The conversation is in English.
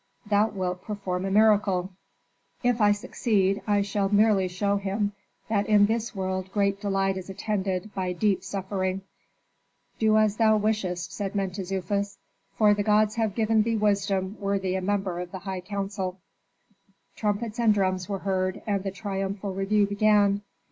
"Thou wilt perform a miracle." "If I succeed I shall merely show him that in this world great delight is attended by deep suffering." "Do as thou wishest," said Mentezufis, "for the gods have given thee wisdom worthy a member of the highest council." Trumpets and drums were heard, and the triumphal review began.